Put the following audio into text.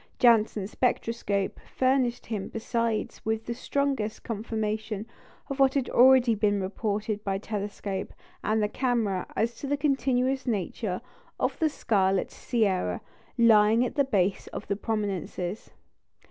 Janssen's spectroscope furnished him besides with the strongest confirmation of what had already been reported by the telescope and the camera as to the continuous nature of the scarlet "sierra" lying at the base of the prominences.